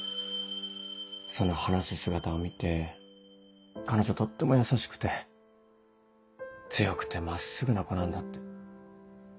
その話す姿を見て彼女とっても優しくて強くて真っすぐな子なんだって。